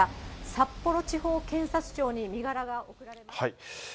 札幌地方検察庁に身柄が送られます。